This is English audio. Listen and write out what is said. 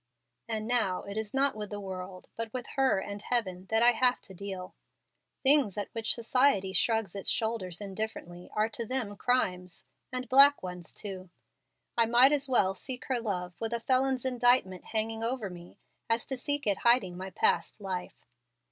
And now it is not with the world, but with her and Heaven that I have to deal. Things at which society shrugs its shoulders indifferently are to them crimes, and black ones too. I might as well seek her love with a felon's indictment hanging over me as to seek it hiding my past life.